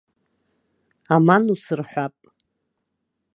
Аман усырҳәап!